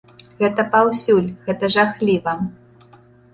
Гэта паўсюль, гэта жахліва!